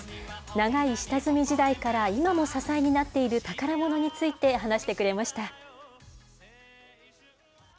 長い下積み時代から、今も支えになっている宝ものについて話してくれました。